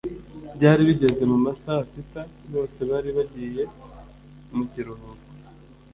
byari bigeze mu ma saa sita bose bari bagiye mu kiruhuko